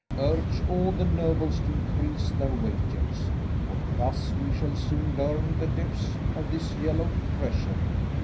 Urge all the nobles to increase their wagers; for thus we shall soon learn the depths of this yellow treasury.